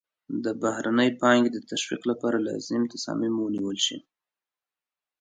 د بهرنۍ پانګې د تشویق لپاره لازم تصامیم ونیول شي.